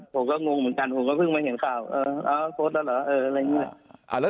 ผมก็งงเหมือนกันผมก็เพิ่งมาเห็นข่าวโพสต์แล้วเหรอ